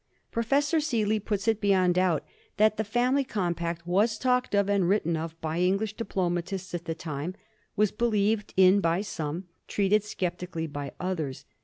Professor Seely puts it beyond doubt that the family compact was talked of and written of by English diplomatists at the time, was be lieved in by some, treated sceptically by others.